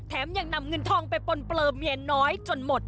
ยังนำเงินทองไปปนเปลือเมียน้อยจนหมด